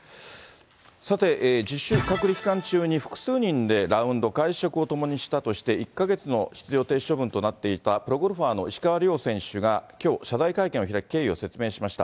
さて、自主隔離期間中に複数人でラウンド、会食を共にしたとして、１か月の出場停止処分となっていたプロゴルファーの石川遼選手が、きょう謝罪会見を開き、経緯を説明しました。